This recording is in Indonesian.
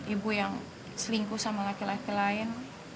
ibu yang selingkuh sama laki laki lain